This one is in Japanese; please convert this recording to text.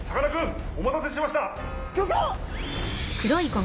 ギョギョッ！